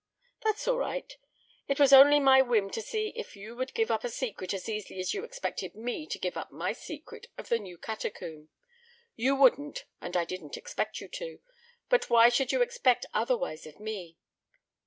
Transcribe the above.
"That's all right. It was only my whim to see if you would give up a secret as easily as you expected me to give up my secret of the new catacomb. You wouldn't, and I didn't expect you to. But why should you expect otherwise of me?